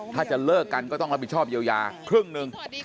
ถ้าจะเลิกกันก็ต้องรับผิดชอบเยียวยาครึ่งหนึ่ง